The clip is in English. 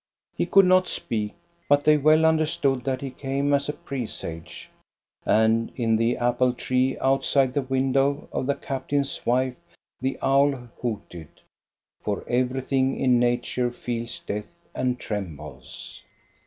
He could not speak, but they well under stood that he came as a presage. And in the apple tree outside the window of the captain's wife the owl hooted. For everything in nature feels Death and trembles.